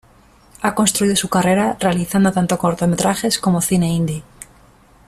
Ha construido su carrera realizando tanto cortometrajes como cine indie.